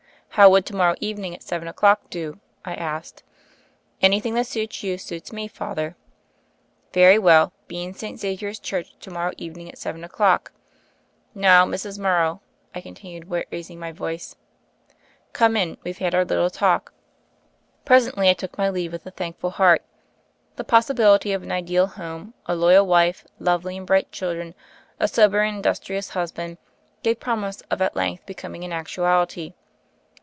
"How would to morrow evening at seven o'clock do?" I asked. "Anything that suits you, suits me. Father.'* "Very well: be in St. Xavier's Church to morrow evening at seven o'clock. Now, Mrs. Morrow," I continued, raising my voice, "come in: we've had our little talk." Presently I took my leave, with a thankful heart. The possibility of an ideal home — a loyal wife, lovely and bright children, a sober and industrious husband — gave promise of at length becoming an actuality.